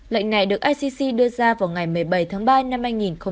lệnh này được icc đưa ra vào ngày một mươi bảy tháng ba năm hai nghìn hai mươi